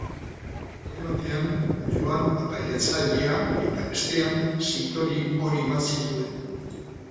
Alde batean Joan Bataiatzailea eta bestean zitori hori bat zituen.